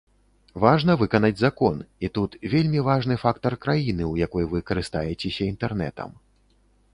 Важна выканаць закон, і тут вельмі важны фактар краіны, у якой вы карыстаецеся інтэрнэтам.